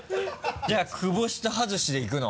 じゃあ久保下外しでいくの？